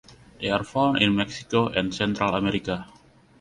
They are found in Mexico and Central America.